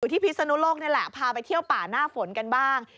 ที่พิศนุโลกนี่แหละพาไปเที่ยวป่าหน้าฝนกันบ้าง